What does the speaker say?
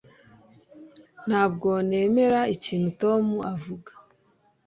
Ntabwo nemera ikintu Tom avuga